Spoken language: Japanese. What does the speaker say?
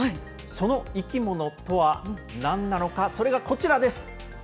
その生き物とはなんなのか、それがこちらです。